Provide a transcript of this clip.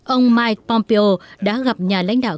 ông mike pompeo đã gặp nhà lãnh đạo